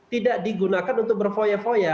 tidak digunakan untuk berfoya foya